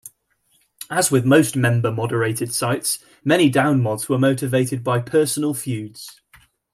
As with most member-moderated sites, many downmods were motivated by personal feuds.